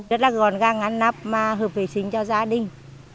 rất là gòn gàng ăn nắp mà hợp vệ sinh cho gia đình